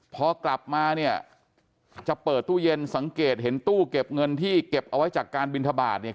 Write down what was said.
พอกลับมาเนี่ยจะเปิดตู้เย็นสังเกตเห็นตู้เก็บเงินที่เก็บเอาไว้จากการบินทบาทเนี่ย